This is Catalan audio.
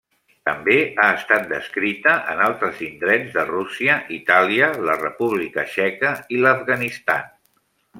També ha estat descrita en altres indrets de Rússia, Itàlia, la República Txeca i l'Afganistan.